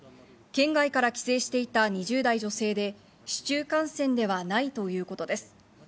県外から帰省していた２０代女性で市中感染ではないということです。